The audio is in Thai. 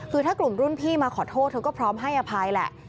คือถ้ากลุ่มรุ่นพี่มาขอโทษเธอก็พร้อมให้อภัยแหละ